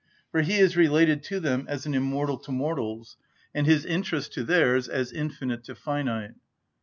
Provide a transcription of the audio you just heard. For he is related to them as an immortal to mortals, and his interests to theirs as infinite to finite.